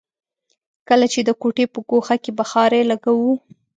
کله چې د کوټې په ګوښه کې بخارۍ لګوو.